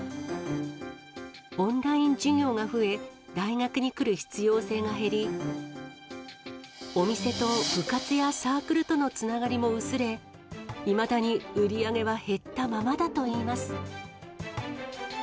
オンライン授業が増え、大学に来る必要性が減り、お店と部活やサークルとのつながりも薄れ、いまだに売り上げは減ったままだといいます。